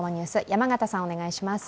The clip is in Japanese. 山形さん、お願いします。